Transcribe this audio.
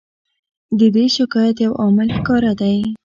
د دې شکایت یو عامل ښکاره دی.